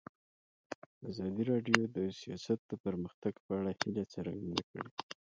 ازادي راډیو د سیاست د پرمختګ په اړه هیله څرګنده کړې.